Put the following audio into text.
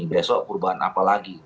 besok perubahan apa lagi